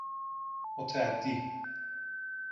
متعدی